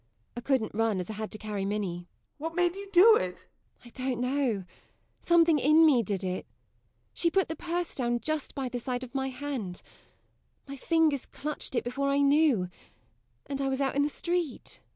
I couldn't run, as I had to carry Minnie. JOE. What made you do it? MARY. I don't know something in me did it She put the purse down just by the side of my hand my fingers clutched it before I knew and I was out in the street.